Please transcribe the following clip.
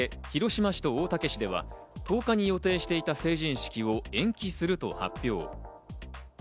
広島市と大竹市では１０日に予定していた成人式を延期すると発表。